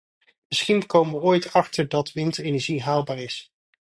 Misschien komen we er ooit achter dat windenergie haalbaar is.